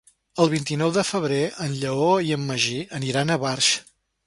El vint-i-nou de febrer en Lleó i en Magí aniran a Barx.